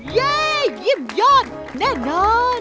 เย้ยิ่มยอดแน่นอน